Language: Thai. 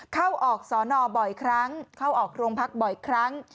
เข้าออกสอนอบ่อยครั้งเข้าออกโรงพักบ่อยครั้ง